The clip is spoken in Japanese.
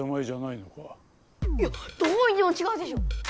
いやどう見てもちがうでしょ！